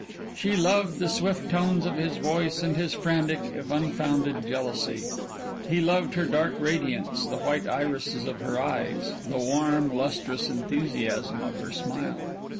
She loved the swift tones of his voice and his frantic, if unfounded jealousy. He loved her dark radiance, the white irises of her eyes, the warm, lustrous enthusiasm of her smile.